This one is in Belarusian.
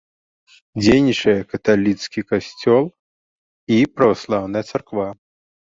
Дзейнічае каталіцкі касцёл і праваслаўная царква.